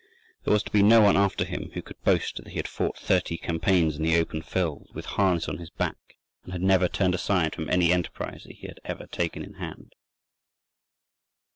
There was to be no one after him who could boast that he had fought thirty campaigns in the open field with harness on his back, and had never turned aside from any enterprise that he had ever taken in hand.